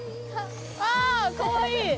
あかわいい！